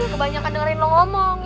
kebanyakan dengerin lo ngomong